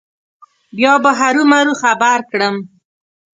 بیا به هرو مرو خبر کړم.